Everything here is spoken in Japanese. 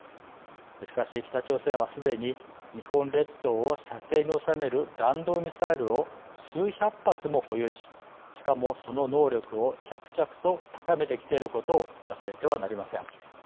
しかし、北朝鮮はすでに日本列島を射程に収める弾道ミサイルを数百発も保有ししかもその能力を着々と高めてきていることを忘れてはなりません。